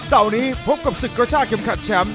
เสาร์นี้พบกับศึกกระชากเข็มขัดแชมป์